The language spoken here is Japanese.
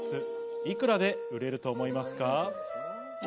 幾らで売れると思いますか？